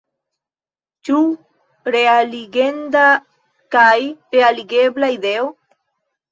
Ĉu realigenda kaj realigebla ideo?